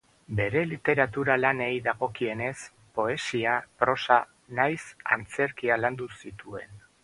Bere literatura lanei dagokienez, poesia, prosa nahiz antzerkia landu zituen.